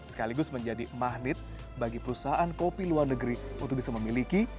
sekaligus menjadi magnet bagi perusahaan kopi luar negeri untuk bisa memiliki